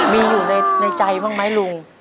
มีอยู่ในใจบ้างไหมลุง